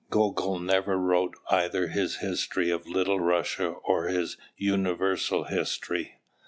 Gogol never wrote either his history of Little Russia or his universal history.